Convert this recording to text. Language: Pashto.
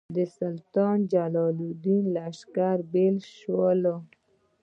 د سلطان جلال الدین له لښکرو بېل شول.